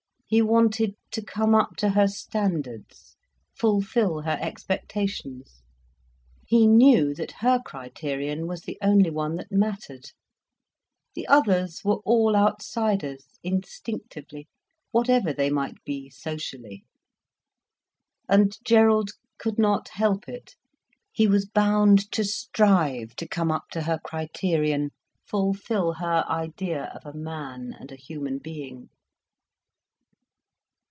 He wanted to come up to her standards, fulfil her expectations. He knew that her criterion was the only one that mattered. The others were all outsiders, instinctively, whatever they might be socially. And Gerald could not help it, he was bound to strive to come up to her criterion, fulfil her idea of a man and a human being.